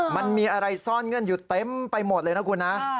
มันมีอะไรซ่อนเงื่อนอยู่เต็มไปหมดเลยนะคุณนะ